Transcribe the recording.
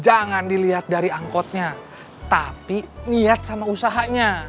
jangan dilihat dari angkotnya tapi niat sama usahanya